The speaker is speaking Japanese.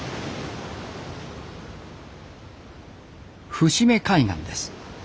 伏目海岸です。